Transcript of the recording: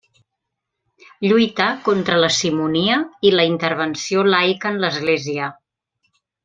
Lluità contra la simonia i la intervenció laica en l'Església.